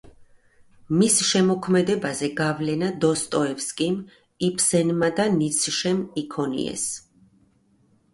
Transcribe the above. მის შემოქმედებაზე გავლენა დოსტოევსკიმ, იბსენმა და ნიცშემ იქონიეს.